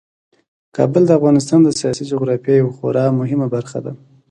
کابل د افغانستان د سیاسي جغرافیې یوه خورا مهمه برخه ده.